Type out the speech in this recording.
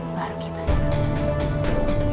baru kita selamat